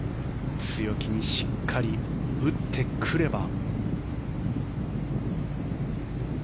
強気にしっかり打ってくれば。